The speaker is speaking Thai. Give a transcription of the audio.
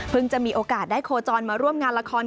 จะมีโอกาสได้โคจรมาร่วมงานละคร